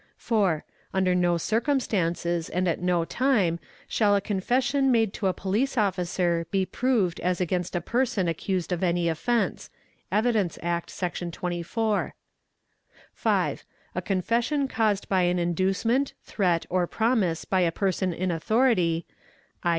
4. Under no circumstances and at no time shall a confession made to a police officer be proved as against a person accused of any offence (Evidence Act, Sec. 24). 5. A confession caused by an inducement, threat, or promise by a person in authority (¢.